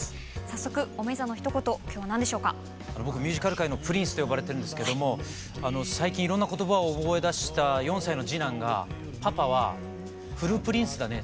あの僕ミュージカル界のプリンスと呼ばれてるんですけども最近いろんな言葉を覚えだした４歳の次男がパパは古プリンスだね。